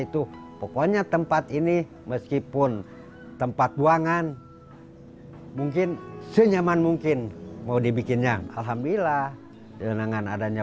terus pas sudah sembuh gimana rasanya